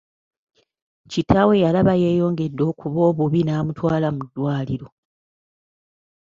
Kitaawe yalaba yeeyongedde okuba obubi n'amutwala mu ddwaliro.